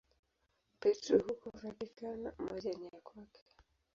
Petro huko Vatikano, moja ni ya kwake.